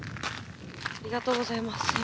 ありがとうございます。